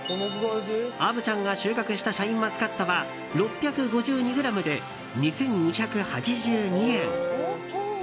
虻ちゃんが収穫したシャインマスカットは６５２ｇで２２８２円。